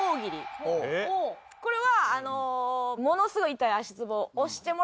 これは。